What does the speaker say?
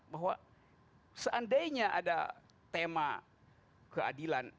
bahwa seandainya ada tema keadilan